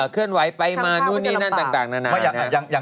เคลื่อนไหวไปมานู่นนี่นั่นต่างนานา